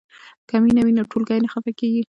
که مینه وي نو ټولګی نه خفه کیږي.